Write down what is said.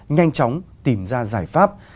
nhanh chóng tìm ra giải pháp